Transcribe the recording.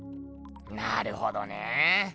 なるほどねぇ。